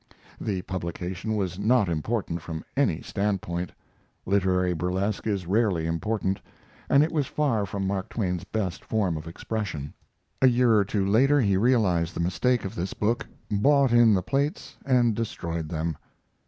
The publication was not important, from any standpoint. Literary burlesque is rarely important, and it was far from Mark Twain's best form of expression. A year or two later he realized the mistake of this book, bought in the plates and destroyed them.